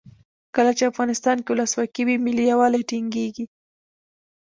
کله چې افغانستان کې ولسواکي وي ملي یووالی ټینګیږي.